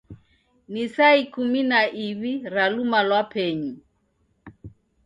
Ni saa ikumi na iwi ra luma lwa penyu.